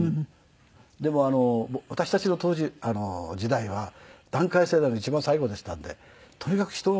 でも私たちの当時時代は団塊世代の一番最後でしたんでとにかく人が多いんですよ。